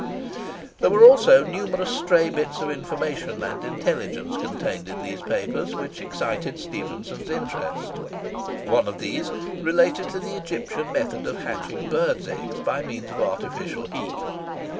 There were also numerous stray bits of information and intelligence contained in these papers, which excited Stephenson's interest. One of these related to the Egyptian method of hatching birds' eggs by means of artificial heat.